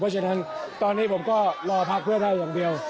เพราะฉะนั้นตอนนี้ผมก็รอพักเพื่อไทยอย่างเดียว